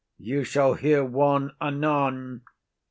_] You shall hear one anon.